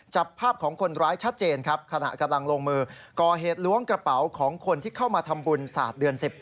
จับภาพของคนร้ายชัดเจนครับขณะกำลังลงมือก่อเหตุล้วงกระเป๋าของคนที่เข้ามาทำบุญศาสตร์เดือน๑๐